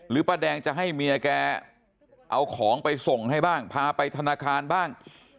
ป้าแดงจะให้เมียแกเอาของไปส่งให้บ้างพาไปธนาคารบ้าง